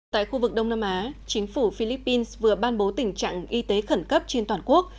tại khu vực đông nam á chính phủ philippines vừa ban bố tình trạng y tế khẩn cấp trên toàn quốc